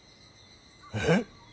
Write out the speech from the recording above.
えっ。